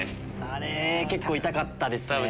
あれ結構痛かったですね。